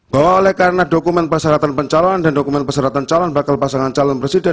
bahwa oleh karena dokumen persyaratan pencalonan dan dokumen persyaratan calon bakal pasangan calon presiden